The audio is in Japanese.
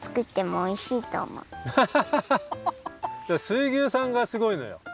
水牛さんがすごいのよ！